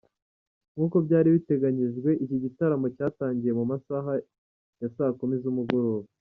Nkuko byari biteganyijwe iki gitaramo cyatangiye mu masaha ya saa kumi z’umugoroba .